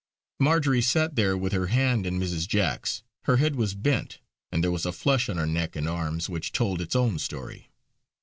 Marjory sat there with her hand in Mrs. Jack's. Her head was bent, and there was a flush on her neck and arms which told its own story.